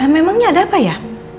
memangnya ada apa ya